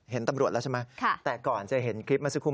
เห็นตำรวจแล้วใช่ไหมแต่ก่อนจะเห็นคลิปเมื่อสักครู่